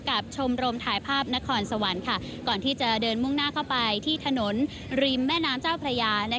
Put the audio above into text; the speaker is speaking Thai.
ชมรมถ่ายภาพนครสวรรค์ก่อนที่จะเดินมุ่งหน้าเข้าไปที่ถนนริมแม่น้ำเจ้าพระยา